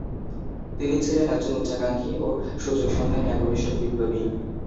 তিনি ছিলেন একজন উচ্চাকাঙ্ক্ষী ও সুযোগসন্ধানী একনিষ্ঠ বিপ্লবী।